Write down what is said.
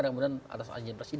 kemudian atas izin presiden